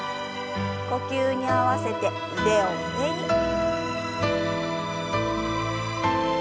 呼吸に合わせて腕を上に。